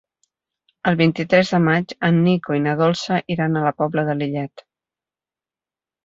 El vint-i-tres de maig en Nico i na Dolça iran a la Pobla de Lillet.